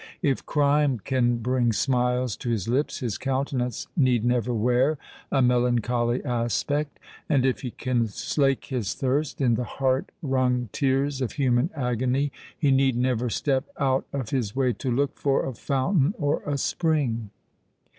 If crime can bring smiles to his lips, his countenance need never wear a melancholy aspect. And if he can slake his thirst in the heart wrung tears of human agony, he need never step out of his way to look for a fountain or a spring!